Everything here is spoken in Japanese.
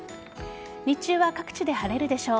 日中は各地で晴れるでしょう。